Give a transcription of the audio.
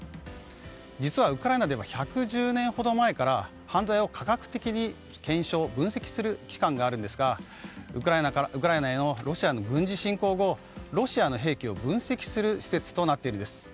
実は、ウクライナでは１１０年ほど前から犯罪を科学的に検証・分析する機関があるんですがウクライナへのロシアの軍事侵攻後ロシアの兵器を分析する施設となっているんです。